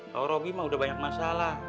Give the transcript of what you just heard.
kalau roby mah udah banyak masalah